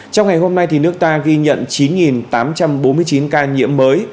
trong ngày hôm nay nước ta ghi nhận chín tám trăm bốn mươi chín ca nhiễm mới